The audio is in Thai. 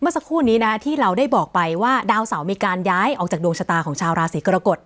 สักครู่นี้นะที่เราได้บอกไปว่าดาวเสามีการย้ายออกจากดวงชะตาของชาวราศีกรกฎ